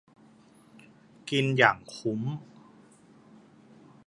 กินอย่างคุ้ม